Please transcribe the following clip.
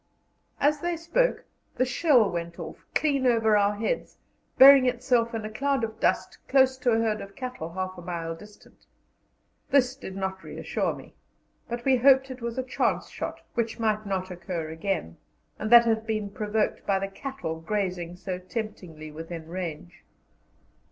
As they spoke, the shell went off, clean over our heads, burying itself in a cloud of dust close to a herd of cattle half a mile distant. This did not reassure me, but we hoped it was a chance shot, which might not occur again, and that it had been provoked by the cattle grazing so temptingly within range.